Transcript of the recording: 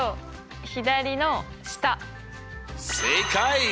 正解！